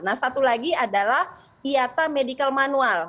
nah satu lagi adalah iata medical manual